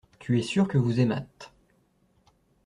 Tu es sûr que vous aimâtes.